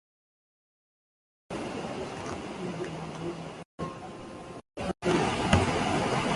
There have been seven head coaches for the Avalanche team.